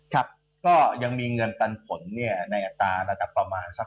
ครับก็ยังมีเงินปันผลเนี่ยในอัตราระดับประมาณสัก